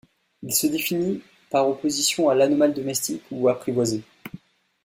Il se définit par opposition à l'animal domestique ou apprivoisé.